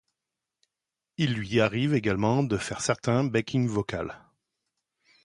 Il lui arrive également de faire certains backing vocal.